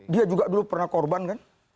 dia juga dulu pernah korban kan